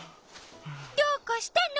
どうかしたの？